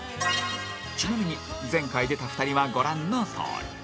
ちなみに前回出た２人はご覧のとおり